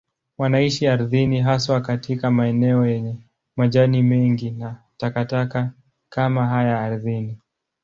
Wanaishi ardhini, haswa katika maeneo yenye majani mengi na takataka kama haya ardhini.